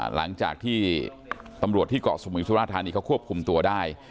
หลังจากที่ตำรวจที่เกาะสมุยสุราธานีเขาควบคุมตัวได้